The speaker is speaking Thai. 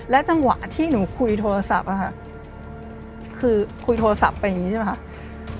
และจังหวะที่หนูคุยโทรศัพท์ค่ะคือคุยโทรศัพท์เป็นอย่างนี้ใช่ป่ะ